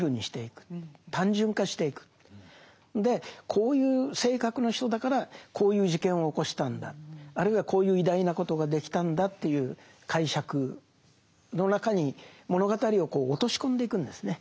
こういう性格の人だからこういう事件を起こしたんだあるいはこういう偉大なことができたんだという解釈の中に物語を落とし込んでいくんですね。